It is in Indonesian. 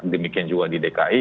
demikian juga di dki